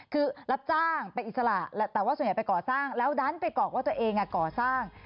คือรับจ้างเป็นอิสระแต่ว่าส่วนใหญ่ไปก่อสร้างแล้วดันไปกรอกว่าตัวเองก่อสร้าง